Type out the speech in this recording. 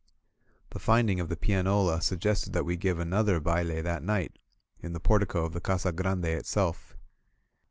The finding of the pianola suggested that we give another baile that night, in the portico of the Casa Grande itself.